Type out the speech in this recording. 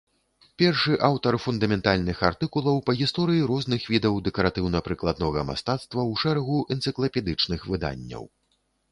Першы аўтар фундаментальных артыкулаў па гісторыі розных відаў дэкаратыўна-прыкладнога мастацтва ў шэрагу энцыклапедычных выданняў.